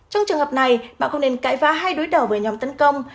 trong trường hợp này bạn không nên cãi vá hay đối đảo với nhóm tấn công